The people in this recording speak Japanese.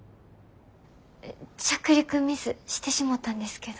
え着陸ミスしてしもたんですけど。